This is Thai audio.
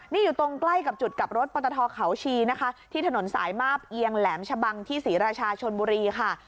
นี่อยู่ตรงใกล้กับจุดกลับรถปตทเขาชีนะคะที่ถนนสายมาบเอียงแหลมชะบังที่ศรีราชาชนบุรีค่ะ